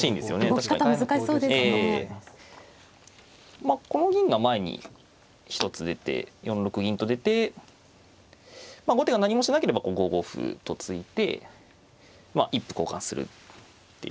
まあこの銀が前に１つ出て４六銀と出て後手が何もしなければ５五歩と突いてまあ一歩交換するっていう。